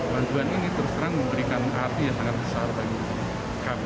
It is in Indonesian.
bantuan ini terus terang memberikan arti yang sangat besar bagi kami